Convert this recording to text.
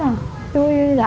hôm nay không biết gì hết